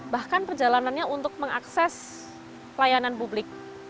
bahkan perjalanannya untuk mengakses layanan publik